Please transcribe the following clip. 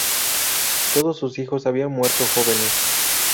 Todos sus hijos habían muerto jóvenes.